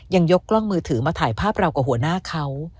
ยกกล้องมือถือมาถ่ายภาพเรากับหัวหน้าเขา